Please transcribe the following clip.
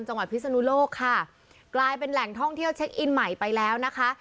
พิศนุโลกค่ะกลายเป็นแหล่งท่องเที่ยวเช็คอินใหม่ไปแล้วนะคะ